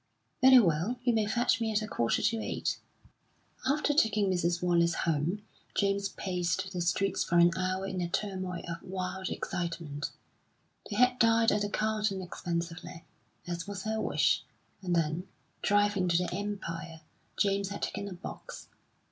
"Very well. You may fetch me at a quarter to eight." After taking Mrs. Wallace home, James paced the streets for an hour in a turmoil of wild excitement. They had dined at the Carlton expensively, as was her wish, and then, driving to the Empire, James had taken a box.